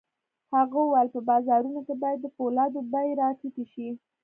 هغه وویل په بازارونو کې باید د پولادو بيې را ټیټې شي